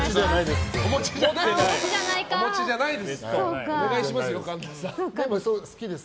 お持ちじゃないです。